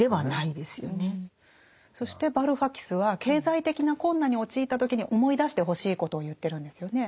そしてバルファキスは経済的な困難に陥った時に思い出してほしいことを言ってるんですよね。